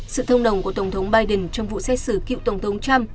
sự thông đồng của tổng thống biden trong vụ xét xử cựu tổng thống trump